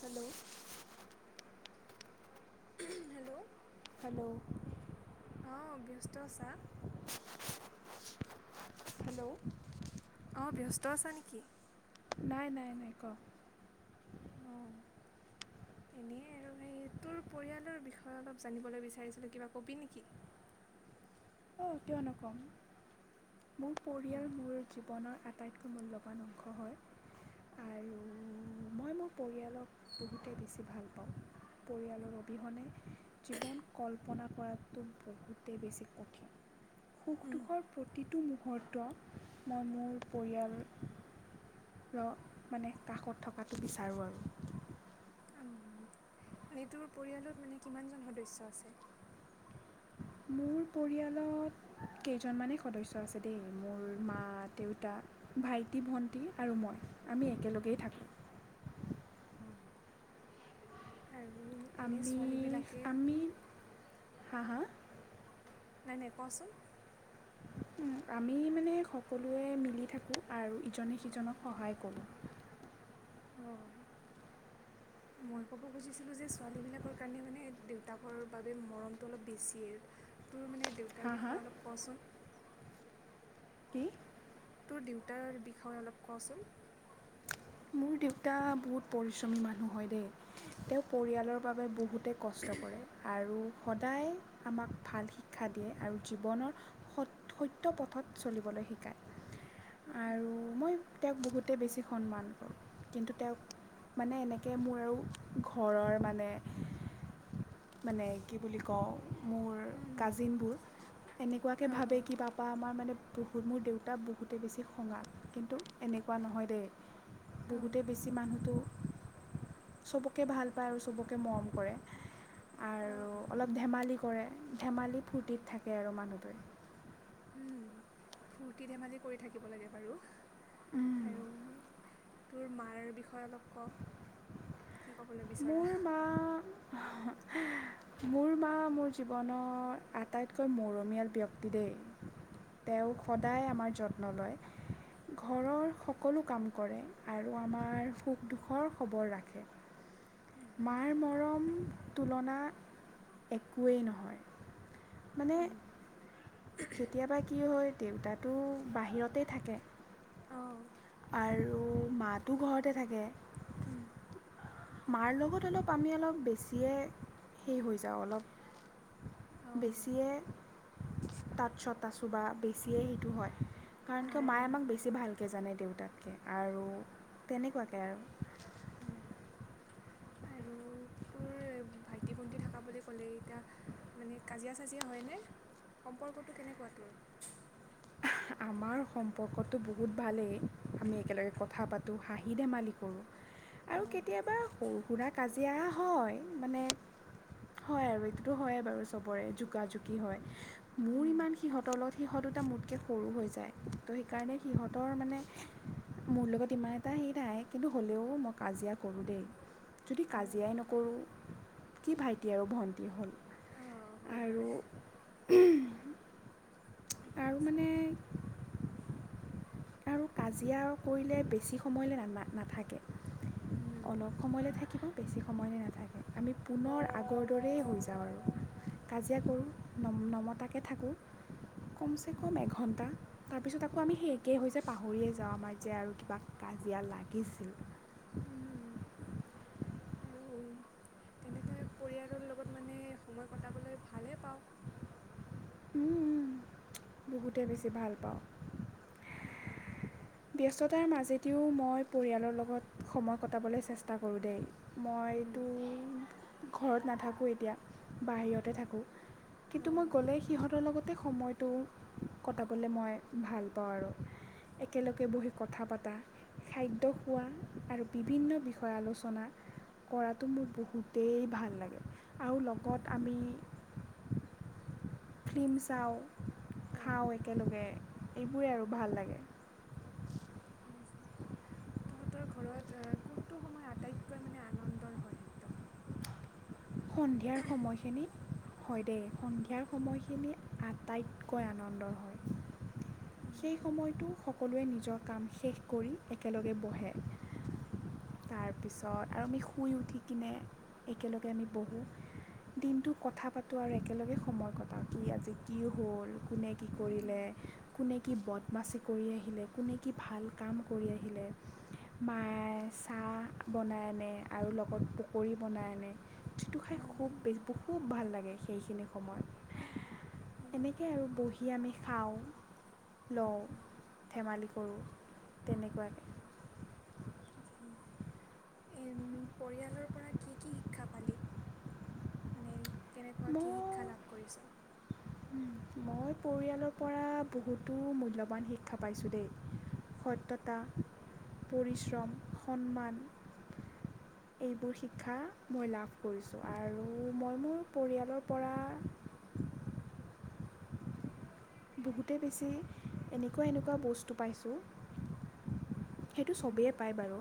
Hello hello hello অ' ব্যস্ত আছা? হেল্ল' অ'ব্যস্ত আছা নেকি? নাই, নাই, নাই ক'? অ', এনেই আৰু সেই তোৰ পৰিয়ালৰ বিষয়ে অলপ জানিবলৈ বিচাৰিছিলোঁ কিবা কবি নেকি? অ' কিয় নকম মোৰ অঁ পৰিয়াল মোৰ জীৱনৰ আটা আটাইতকৈ মূল্যৱান অংশ হয় আৰু মই মোৰ পৰিয়ালক বহুতেই বেছি ভাল পাওঁ। পৰিয়ালৰ অবিহনে জীৱন কল্পনা কৰাটো বহুতেই বেছি কঠিন। সুখ-দুখৰ প্ৰতিটো মূহুৰ্ত মই মোৰ পৰিয়াল ৰ মানে কাষত থকাটো বিচাৰোঁ আৰু। আম এনে তোৰ পৰিয়ালত মানে কিমানজন সদস্য আছে? মোৰ পৰিয়ালত কেইজনমানেই সদস্য আছে দেই মোৰ মা, দেউতা ভাইটি, ভণ্টি আৰু মই আমি একেলগেই থাকোঁ। অ'! আৰু এনেই আমি ছোৱালীবিলাকে আমি হা' হা'? নাই নাই, কচোন! আমি মানে সকলোৱে মিলি থাকোঁ আৰু ইজনে-সিজনক সহায় কৰোঁ। অঁহ। মই ক'ব খুজিছিলো যে ছোৱালীবিলাকৰ কাৰণে মানে দেউতাকৰ বাবে মৰমটো অলপ বেছিয়ে। তোৰ মানে হা দেউতাৰ হা বিষয়ে অলপ কচোন! কি? তোৰ দেউতাৰ বিষয়ে অলপ কচোন? মোৰ দেউতা বহুত পৰিশ্ৰমী মানুহ হয় দেই! তেওঁ পৰিয়ালৰ বাবে বহুত তে কষ্ট কৰে আৰু সদায় আমাক ভাল শিক্ষা দিয়ে আৰু জীৱনত সত-সত্য পথত চলিবলৈ শিকায়। আৰু মই তেওঁক বহুতে বেছি সন্মান কৰোঁ কিন্তু তেওঁক মানে এনেকে মোৰ আৰু ঘৰৰ মানে মানে কি বুলি কওঁ? মোৰ কাজিনবোৰ এনেকুৱাকে অঁ ভাবে অঁ কিবা বা আমাৰ মানে বহুত মোৰ দেউতা বহুতে বেছি খঙাল। কিন্তু এনেকুৱা নহয় দেই অঁ বহুতেই বেছি মানুহটো চবকে ভাল পায় আৰু চবকে মৰম কৰে। অঁ আৰু অঁ অলপ ধেমালি কৰে, ধেমালি-ফূৰ্তিত থাকে আৰু মানুহটোৱে। উম, ফূৰ্তি-ধেমালি কৰি থাকিব লাগে বাৰু। আৰু তোৰ মাৰ বিষয়ে অলপ ক' কি কবলৈ বিচ মোৰ মা মোৰ মা মোৰ জীৱনৰ আটাইতকৈ মৰমীয়াল ব্যক্তি দেই! তেওঁ সদায় আমাৰ যত্ন লয়। ঘৰৰ সকলো কাম কৰে আৰু আমাৰ সুখ-দুখৰ খবৰ ৰাখে। মাৰ মৰম তুলনা একোৱেই নহয়। মানে হুম হুম। কেতিয়াবা কি হয় দেউতাটো বাহিৰতেই থাকে। অঁ আৰু মা'তো ঘৰতে থাকে। উম। মাৰ লগত অলপ আমি অলপ বেছিয়ে সেই হৈ যাওঁ অলপ। অঁ বেছিয়ে তাত চত আছো বা বেছিয়ে সেইটো হয়, কাৰণ অঁ কিয় মায়ে অঁ আমাক বেছি ভালকে জানে দেউ তাতকে আৰু তেনেকুৱাকে আৰু। হয় হয় আৰু তোৰ ভাইটি, ভণ্টি থকা বুলি ক'লে এতিয়া মানে কাজিয়া-চাজিয়া হয়নে? সম্পৰ্কটো কেনেকুৱা তোৰ? আমাৰ সম্পৰ্কটো বহুত ভালেই আমি একেলগে কথা পাতো, হাঁহি ধেমালি কৰোঁ। আৰু অঁ কেতিয়াবা সৰু-সুৰা কাজিয়া হয়। মানে হয় আৰু এইটোতো হয় বাৰু চবৰে জোকা-জোকি হয়। মোৰ উম, ইমান সিহঁতৰ লগত সিহঁত দুটা মোতকে সৰু হৈ যায়, ত' সেইকাৰণে সিহঁতৰ মানে মোৰ লগত ইমান এটা হেৰি নাই, কিন্তু হ'লেও মই কাজিয়া কৰোঁ দেই। যদি অঁ কাজিয়াই নকৰো, কি ভাইটি আৰু ভণ্টি হ'ল। অঁ হয় হয় আৰু, ঠিকে আৰু আছে মানে - [unintelligible] আৰু কাজিয়া কৰিলে বেছি সময়লে না না নাথাকে। উম, অলপ সময়লে থাকিব বেছি সময়লে নাথাকে আমি পুনৰ আগৰ দৰেই হৈ যাওঁ আৰু। কাজিয়া কৰোঁ অঁ নম নমতাকে থাকো। কমচেকম এঘণ্টা, তাৰপিছত আকৌ আমি সেই এ কে হৈ যে পাহৰিয়ে যাওঁ আমাৰ যে আৰু কিবা কাজিয়া লাগিছিল। উম উম। আৰু তেনেকে পৰিয়ালৰ লগত মানে সময় কটাবলৈ ভালেই পাওঁ। উম উম, বহুতেই বেছি ভাল পাওঁ। ব্যস্ততাৰ মাজেদিও মই পৰিয়ালৰ লগত সময় কটাবলে চেষ্টা কৰোঁ দেই। উম, মইতো ঘৰত নাথাকোঁ এতিয়া, বাহিৰতে থাকোঁ। কিন্তু অ', মই গ'লে সিহঁতৰ লগতে সময়টো কটাবলে মই ভাল পাওঁ আৰু। একেলগে বহি কথা পাতা খাদ্য খোৱা আৰু বিভিন্ন বিষয়ে আলোচনা - কৰাটো মোৰ বহুতেই ভাল লাগে, আৰু লগত আমি - ফিল্ম চাওঁ, অ', খাওঁ একেলগে, এইবোৰে আৰু ভাল লাগে। ঠিকেই আছে। তহঁতৰ ঘৰত এ কোনটো সময় আটাইতকৈ মানে আনন্দৰ হয় একদম? সন্ধিয়াৰ সময়খিনি। হয় দেই, সন্ধিয়াৰ সময়খিনি আটাইতকৈ আনন্দৰ হয়। সেই সময়টো সকলোৱে নিজৰ কাম শেষ কৰি একেলগে বহে। তাৰপিছত আৰু আমি শুই উঠি কিনে একেলগে আমি বহোঁ। দিনটো কথা পাতোঁ আৰু একেলগে সময় কটাও, কি আজি কি হ'ল কোনে কি কৰিলে। কোনে কি বদমাচি কৰি আহিলে, কোনে কি ভাল কাম কৰি আহিলে। মায়ে চাহ বনাই আনে আৰু লগত পকৰী বনাই আনে। যিটো খাই খুববে বহুত ভাল লাগে সেইখিনি সময়। এনেকে আৰু বহি আমি খাওঁ। লওঁ ধেমালি কৰোঁ তেনেকুৱাকে। উম, এ পৰিয়ালৰ পৰা কি কি শিক্ষা পালি? মানে কেনেকুৱা কি শিক্ষা লাভ কৰিছ? উম, মই পৰিয়ালৰ পৰা বহুতো মূল্যৱান শিক্ষা পাইছোঁ দেই। সত্যতা, পৰিশ্ৰম, সন্মান - এইবোৰ শিক্ষা মই লাভ কৰিছোঁ, আৰু মই মোৰ - পৰিয়ালৰ পৰা - বহুতেই বেছি এনেকুৱা এনেকুৱা বস্তু পাইছোঁ - [unintelligible] সেইটো উম, চবেই পায় বাৰু।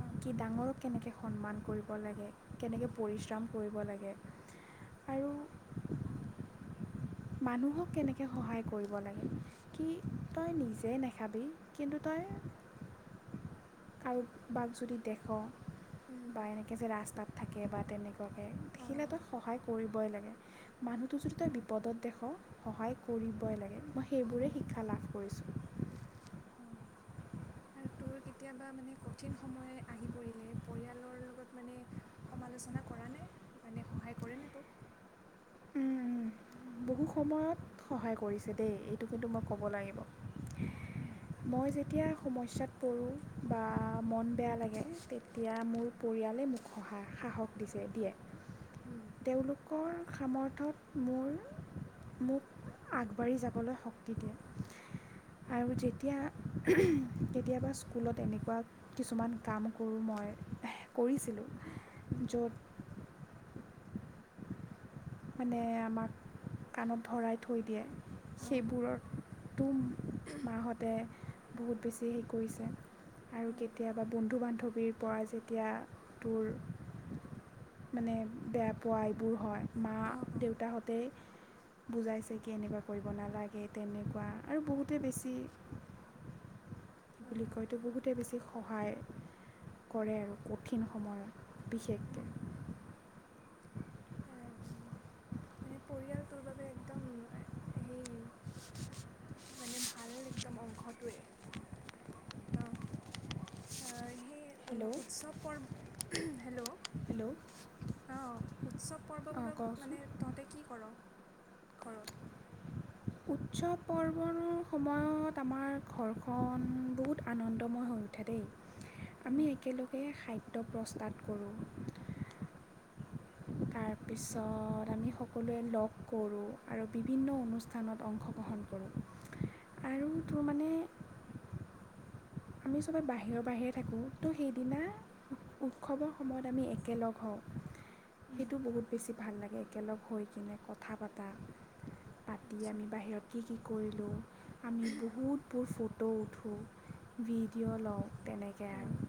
অ', ডাঙৰক কেনেকে সন্মান কৰিব লাগে, কেনেকে পৰিশ্ৰম কৰিব লাগে - [unintelligible] [unintelligible] মানুহক কেনেকে সহায় কৰিব লাগে, কি তই নিজে নাখাবি কিন্তু তই - কাৰোবাক যদি দেখ উম, বা এনেকে যে ৰাস্তাত থাকে বা তেনে কুৱাকে অ', দেখিলে তই অ', সহায় কৰিবই লাগে। মানুহটো যদি তই বিপদত দেখ সহায় কৰিবই লাগে, মই সেইবোৰে হয়, শিক্ষা লাভ কৰিছোঁ। অ'। আৰু তোৰ কেতিয়াবা মানে কঠিন সময় আহি পৰিলে পৰিয়ালৰ লগত মানে সমালোচনা কৰা নে? মানে সহায় কৰে নে তোক? [inaudible] উ, বহু সময়ত সহায় কৰিছে দেই এইটো কিন্তু মই ক'ব লাগিব। উম। মই যেতিয়াই সমস্যাত পৰোঁ বা মন বেয়া লাগে তেতিয়া মোৰ পৰিয়ালে মোক সহা সাহস দিছে দিয়ে। উম। তেওঁলোকৰ সামৰ্থত মোৰ মোক আগবাঢ়ি যাবলৈ শক্তি দিয়ে। আৰু যেতিয়া কেতিয়াবা স্কুলত এনেকুৱা কিছুমান কাম কৰোঁ, মই কৰিছিলোঁ, উম, য'ত মানে আমাক কাণত ধৰাই থৈ দিয়ে। অঁ সেইবোৰকটো মাহঁতে বহুত বেছি হেৰি কৰিছে। আৰু অঁ কেতিয়াবা বন্ধু-বান্ধৱীৰ পৰা যেতিয়া তোৰ মানে বেয়া পোৱা এইবোৰ হয় মা অঁ অঁ দেউতাহঁতেই বুজাইছে কি এনেকুৱা কৰিব নালাগে তেনেকুৱা আৰু বহুতে বেছি ই অঁ বুলি কয়তো বহুতে বেছি সহায় কৰে আৰু কঠিন সময়ত। বিশেষকে। উম, আৰু মানে পৰিয়ালটোৰ বাবে একদম সেই মানে ভাল একদম অংশটোৱেই। ন' অ', সেই অ', হেল্ল' উৎসৱ পৰ হেল্ল' হেল্ল'। অ', উৎসৱ অঁ পৰ্ববোৰত কওকচোন মানে তহঁতে কি কৰ ঘৰত? উৎসৱ পৰ্বনৰ সময়ত আমাৰ ঘৰখন বহুত আনন্দময় হৈ থা দেই, উম, আমি একেলগে খাদ্য প্ৰস্তাৱ কৰোঁ। তাৰপিছত আমি সকলোৱে লগ কৰোঁ আৰু বিভিন্ন অনুষ্ঠানত অংশগ্ৰহণ কৰোঁ আৰু তোৰ মানে [inaudible] আমি চবে বাহিৰৰ বাহিৰে থাকোঁ, ত' সেইদিনা উ-উৎসৱৰ সময়ত আমি একেলগ হওঁ। উম, সেইটো বহুত বেছি ভাল লাগে একেলগ হৈ কিনে কথা পাতা। পাতি আচ্ছা আমি বাহিৰত কি কি কৰিলোঁ, আমি বহুতবোৰ ফটো উঠো। ভিডিঅ' লওঁ তেনেকে উম, আৰু।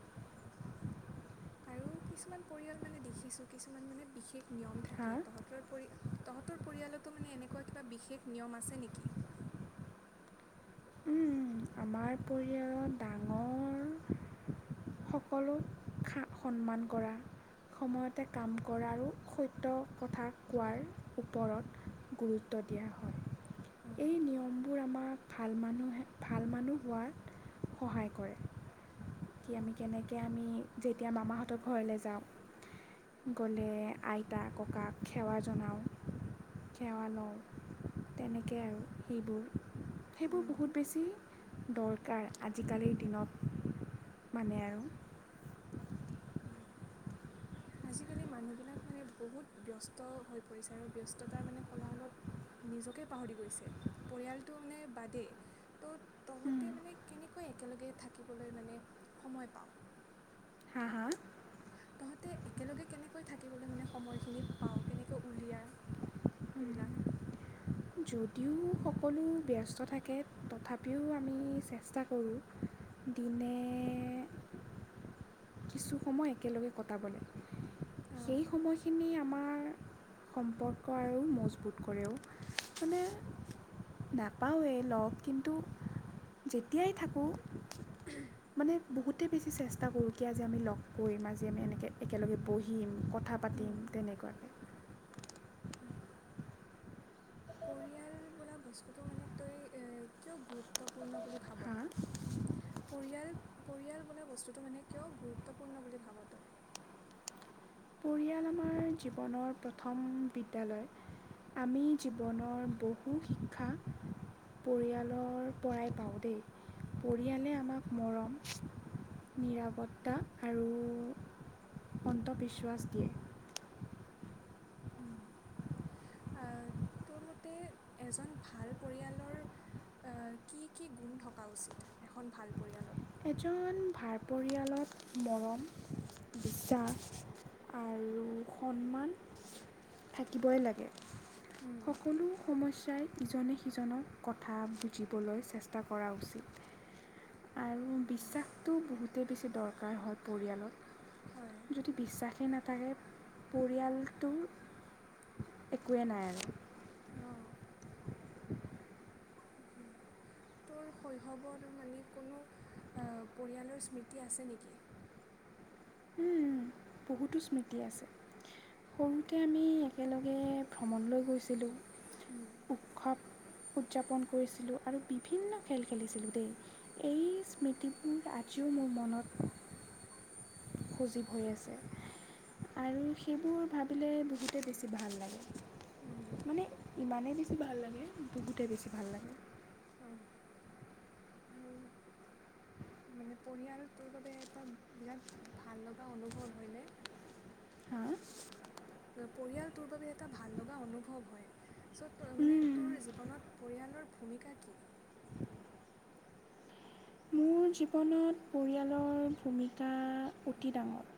আৰু কিছুমান পৰিয়াল মানে দেখিছোঁ। কিছুমান মানে বিশেষ নিয়ম হা থাকে, তহঁত তোৰ পৰি তহঁতৰ পৰিয়ালটো মানে এনেকুৱা কিবা বিশেষ নিয়ম আছে নেকি? উম, উম, উম, আমাৰ পৰিয়ালত ডাঙৰ সকলো খা সন্মান কৰা। সময়তে কাম কৰা আৰু সত্য কথা কোৱাৰ ওপৰত। গুৰুত্ব দিয়া হয়, এই নিয়মবোৰ আমাক ভাল মানুহে, ভাল মানুহ হোৱাত সহায় কৰে। কি আমি, কেনেকে আমি যেতিয়া মামাহঁতৰ ঘৰলৈ যাওঁ। গ'লে আইতা ককাক সেৱা জনাওঁ। সেৱা লওঁ তেনেকেআৰু সেইবোৰ। সেইবোৰ উম বহুত বেছি দৰকাৰ আজিকালিৰ দিনত মানে আৰু। উম, আজিকালি মানুহবিলাক মানে বহুত ব্যস্ত হৈ পৰিছে আৰু ব্যস্ততাৰ মানে কোলাহলত নিজকে পাহৰি গৈছে পৰিয়ালটো মানে বাদেই ত' তহঁতে মানে কেনেকৈ একেলগে থাকিবলৈ মানে সময় পাওঁ? হা, হা? তহঁতে একেলগে কেনেকৈ থাকিবলৈ মানে সময়খিনি পাওঁ কেনেকৈ উলিয়া? [inaudible] সেইবিলাক [inaudible] যদিও সকলোঁ ব্যস্ত থাকে তথাপিও আমি চেষ্টা কৰোঁ দিনে কিছু সময় একেলগে কটাবলে। অঁ সেই সময়খিনি আমাৰ সম্পৰ্ক আৰু মজবুত কৰে অ'। মানে নাপাওঁৱেই লগ কিন্তু যেতিয়াই থাকোঁ মানে বহুতেই বেছি চেষ্টা কৰোঁ কি আজি আমি লগ কৰিম আজি আমি এনেকে একেলগে বহিম কথ কথা পাতিম উম। তেনেকুৱাকে। উম, পৰিয়াল বোলা বস্তুটো মানে তই এ কিয় গুৰুত্বপূৰ্ণ বুলি ভাব? হা পৰিয়াল, পৰিয়াল বোলা বস্তুটো মানে কিয় গুৰুত্বপূৰ্ণ বুলি ভাব তই? পৰিয়াল আমাৰ আমাৰ জীৱনৰ প্ৰথম বিদ্যালয় আমি জীৱনৰ বহু শিক্ষা পৰিয়ালৰ পৰাই পাওঁ দেই পৰিয়ালে আমাক মৰম নিৰাপত্তা আৰু অন্তঃবিচৱাচ দিয়ে। উম, এ তোৰ মতে এজন ভাল পৰিয়ালৰ এ কি, কি গুণ থকা উচিত এখন ভাল পৰিয়ালত? এজন ভাৰ পৰিয়ালত মৰম, বিশ্বাস আৰু সন্মান থাকিবই লাগে। উম, সকলো সমস্যাই ইজনে-সিজনক কথা বুজিবলৈ চেষ্টা কৰা উচিত। আৰু বিশ্বাসটো বহুতেই বেছি দৰকাৰ হয় হয় পৰিয়ালত। যদি বিশ্বাসেই নাথাকে পৰিয়ালটো একোৱে নাই আৰু অঁ [unintelligible] শৈশৱৰ তোৰ মানে কোনো অ' পৰিয়ালৰ স্মৃতি আছে নেকি? বহুতো স্মৃতি আছে। সৰুতে আমি একেলগে ভ্ৰমণলৈ গৈছিলোঁ। উম, উৎসৱ উদযাপন কৰিছিলোঁ আৰু বিভিন্ন খেল খেলিছিলোঁ দেই। এই স্মৃতি বোৰ আজিও মোৰ মনত [inaudible] সজীৱ হৈ আছে। আৰু সেইবোৰ ভাবিলে বহুতেই বেছি ভাল উম, লাগে। মানে ইমানেই বেছি ভাল লাগে, বহুতেই বেছি ভাল লাগে। অ, মানে পৰিয়াল তোৰ বাবে এটা বিৰাট ভাল লগা অনুভৱ হয়নে? হা? পৰিয়ালটোৰ বাবে এটা ভাল লগা অনুভৱ হয় চ, তই মানে তোৰ জীৱনত পৰিয়ালৰ ভূমিকা কি? মোৰ জীৱনত পৰিয়ালৰ ভূমিকা অতি ডাঙৰ।